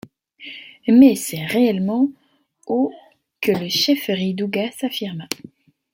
Mais c’est réellement au que la chefferie d’Ogua s’affirma.